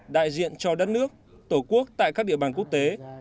đại diện cho đất nước tổ quốc tại các địa bàn quốc tế